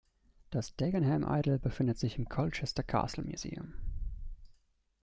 Das Dagenham Idol befindet sich im Colchester Castle Museum.